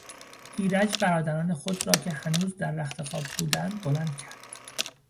ایرج برادران خود را که هنوز در رختخواب بودند بلند کرد.